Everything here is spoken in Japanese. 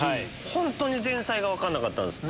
本当に前菜が分かんなかったんです。